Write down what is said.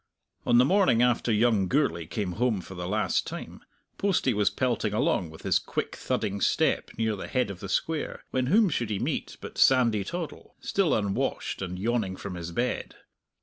On the morning after young Gourlay came home for the last time, Postie was pelting along with his quick thudding step near the head of the Square, when whom should he meet but Sandy Toddle, still unwashed and yawning from his bed.